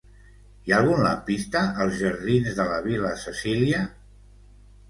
Hi ha algun lampista als jardins de la Vil·la Cecília?